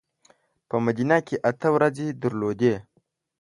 په مدینه کې اته ورځې درلودې.